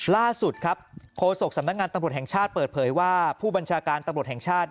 ล่าสุดครับโฆษกสำนักงานตำรวจแห่งชาติเปิดเผยว่าผู้บัญชาการตำรวจแห่งชาติ